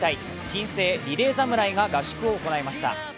新星リレー侍が合宿を行いました。